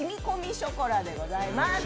ショコラでございます。